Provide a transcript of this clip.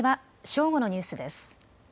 正午のニュースです。